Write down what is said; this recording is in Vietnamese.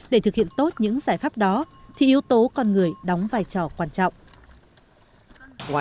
để thực hiện tốt những giải pháp đó thì yếu tố con người đóng vai trò quan trọng